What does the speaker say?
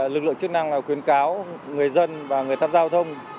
lực lượng chức năng khuyến cáo người dân và người tham gia giao thông